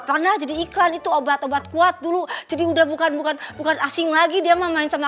pernah jadikan itu obat obat kuat dulu jadi udah bukan bukan mu rotasi lagi diamin sama